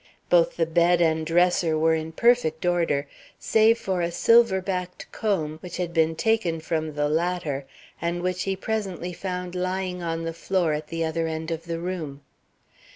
Both the bed and dresser were in perfect order, save for a silver backed comb, which had been taken from the latter, and which he presently found lying on the floor at the other end of the room.